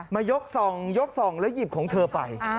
มายกส่องยกส่องแล้วหยิบของเธอไป